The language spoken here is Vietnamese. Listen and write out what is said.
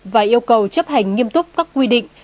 và yêu cầu chấp hành nghiêm túc các quy định